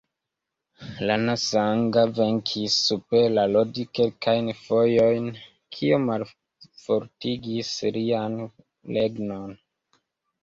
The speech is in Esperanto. Rana Sanga venkis super la Lodi kelkajn fojojn, kio malfortigis lian regnon.